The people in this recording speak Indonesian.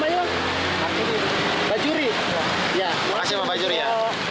makasih pak juri ya